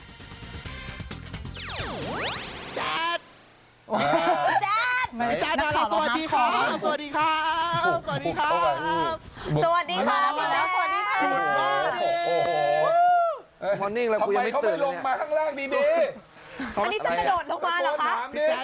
นักเข่าแล้วพี่แจ๊สมาแล้วสวัสดีค่ะสวัสดีค่ะ